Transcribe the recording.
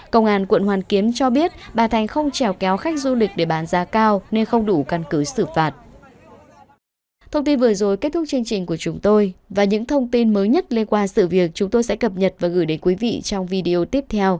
công an quận hoàn kiếm cho biết bà thành không trèo kéo khách du lịch để bán giá cao nên không đủ căn cứ xử phạt